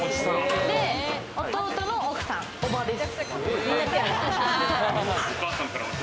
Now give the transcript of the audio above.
で弟の奥さん叔母です。